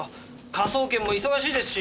科捜研も忙しいですし。